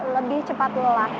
lebih cepat lelah